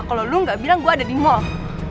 kalo lu gak bilang gua ada di mall